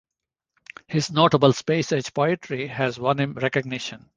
His notable "space age" poetry has won him recognition.